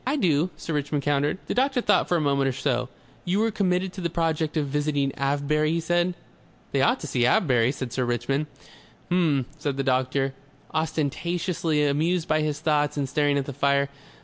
"I do," Sir Richmond countered. The doctor thought for a moment or so. "You are committed to the project of visiting Avebury?" he said. "They ought to see Avebury," said Sir Richmond. "H'm," said the doctor, ostentatiously amused by his thoughts and staring at the fire.